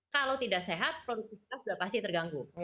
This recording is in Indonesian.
kalau tidak sehat produktivitas sudah pasti terganggu